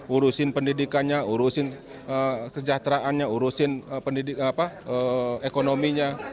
urusin pendidikannya urusin kesejahteraannya urusin ekonominya